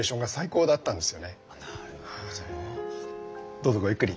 どうぞごゆっくり。